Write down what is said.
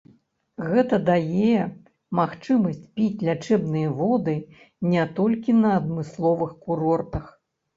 Гэта дае магчымасць піць лячэбныя воды не толькі на адмысловых курортах.